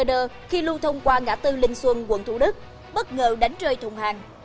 đây là một vụ xe container khi lưu thông qua ngã tư linh xuân quận thủ đức bất ngờ đánh rơi thùng hàng